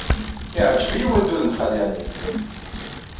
Yeɛjeb-iyi waddud n Xali Ɛli.